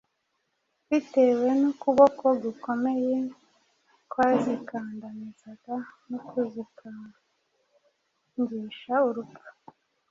bitewe n’ukuboko gukomeye kwazikandamizaga no kuzikangisha urupfu,